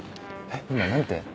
えっ今何て？